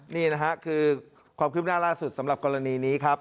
นี่นะฮะคือความคืบหน้าล่าสุดสำหรับกรณีนี้ครับ